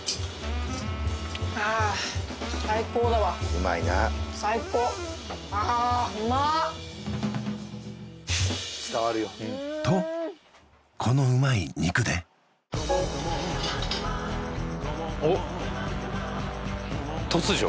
うん最高あーうまっ伝わるよとこのうまい肉でおっ突如？